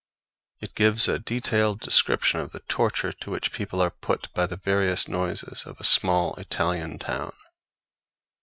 It gives a detailed description of the torture to which people are put by the various noises of a small Italian town.